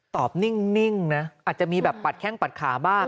ตอบหนิ่งหนิ่งนะอาจจะมีแบบปัดแข้งปัดขาบ้าง